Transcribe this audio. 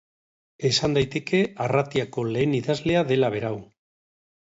Esan daiteke, arratiako lehen idazlea dela berau.